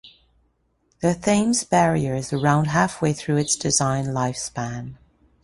The Thames Barrier is around halfway through its designed lifespan.